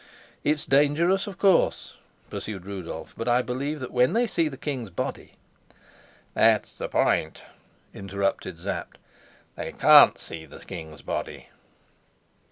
"It's dangerous, of course," pursued Rudolf. "But I believe that when they see the king's body " "That's the point," interrupted Sapt. "They can't see the king's body."